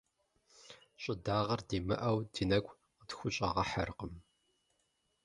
Щӏыдагъэр димыӏэу ди нэгу къытхущӏэгъэхьэркъым.